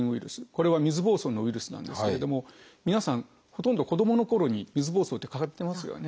これは水ぼうそうのウイルスなんですけれども皆さんほとんど子どものころに水ぼうそうってかかってますよね。